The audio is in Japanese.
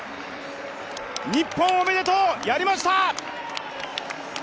日本おめでとう、やりました！